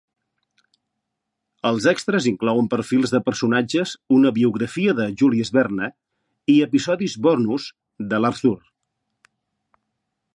Els extres inclouen perfils de personatges, una biografia de Jules Verne i episodis bonus d'Arthur!